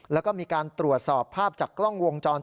แล้วก็มีการตรวจสอบภาพจากกล้องวงจร